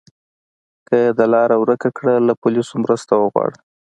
که د لاره ورکه کړه، له پولیسو مرسته وغواړه.